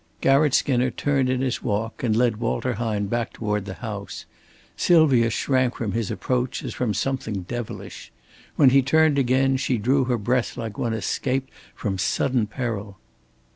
Garratt Skinner turned in his walk and led Walter Hine back toward the house. Sylvia shrank from his approach as from something devilish. When he turned again, she drew her breath like one escaped from sudden peril.